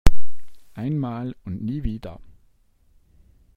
Einmal und nie wieder.